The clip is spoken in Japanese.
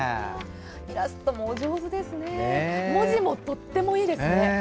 イラストもお上手で文字もとってもいいですね。